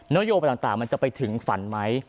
โยไปต่างมันจะไปถึงฝันไหม